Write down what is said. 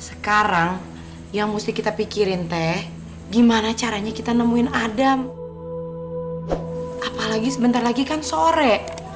sekarang yang mesti kita pikirin teh gimana caranya kita nemuin adam apalagi sebentar lagi kan sore